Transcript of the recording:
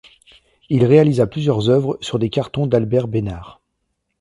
Il réalisa plusieurs œuvres sur des cartons d'Albert Besnard.